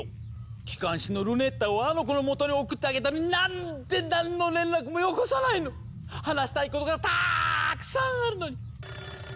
機関士のルネッタをあの子のもとに送ってあげたのになんで何の連絡もよこさないの⁉話したいことがたくさんあるのに！